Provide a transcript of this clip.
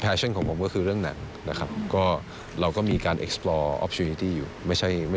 โปรเจกต์การทำหนังนะคะที่พี่กึ้งบอกว่าสนใจอยากจะทำ